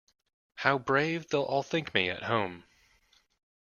How brave they’ll all think me at home!